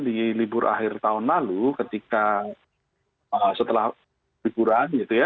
di libur akhir tahun lalu ketika setelah liburan gitu ya